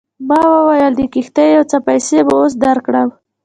ما وویل د کښتۍ یو څه پیسې به اوس درکړم.